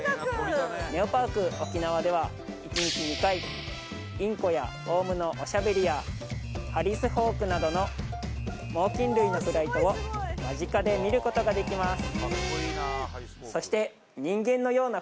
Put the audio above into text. ネオパークオキナワでは１日２回インコやオウムのおしゃべりやハリスホークなどの猛禽類のフライトを間近で見ることができます